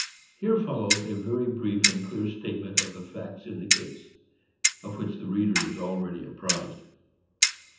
Here follows a very brief and clear statement of the facts in the case, of which the reader is already apprized.